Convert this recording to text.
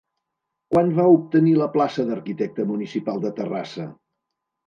Quan va obtenir la plaça d'arquitecte municipal de Terrassa?